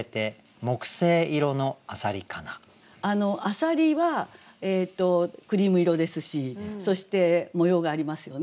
浅蜊はクリーム色ですしそして模様がありますよね。